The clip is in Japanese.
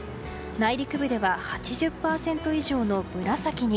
内陸部では８０％以上の紫に。